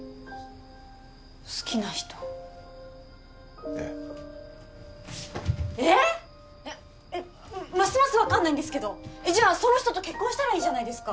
好きな人えええっ！？えっますます分かんないんですけどじゃあその人と結婚したらいいじゃないですか